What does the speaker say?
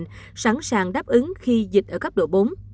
cơ sở khám chữa bệnh sẵn sàng đáp ứng khi dịch ở cấp độ bốn